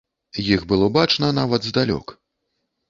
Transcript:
Іх было бачна нават здалёк.